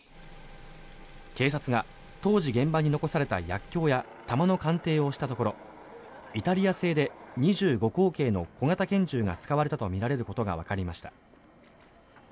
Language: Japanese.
警察が、当時現場に残された薬きょうや弾の鑑定をしたところイタリア製で２５口径の小型拳銃が使われたとみられることがわかりました。